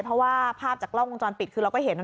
เพราะว่าภาพจากกล้องวงจรปิดคือ